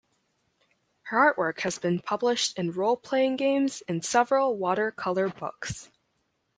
Her artwork has been published in role playing games and several watercolor books.